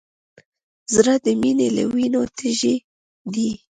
زړه د مینې له وینو تږی دی.